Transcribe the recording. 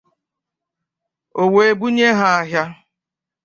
o wee bunye ha ahịa.